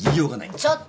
ちょっと。